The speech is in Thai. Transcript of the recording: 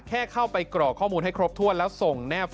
แค่เข้าไปกร่อข้อมูลให้ครบถ้วน